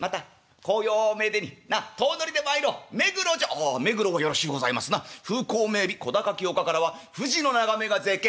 「ああ目黒がよろしゅうございますな風光明美小高き丘からは富士の眺めが絶景」。